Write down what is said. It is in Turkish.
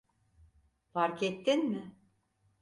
Farkettin mi?